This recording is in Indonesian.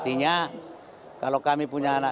then must forget kabulkan siapapun macam itu